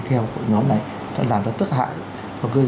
theo nhóm này làm cho tất hại và gây